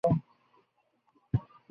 তুমি আসিবে, নতুবা শরৎকে পাঠাইবে।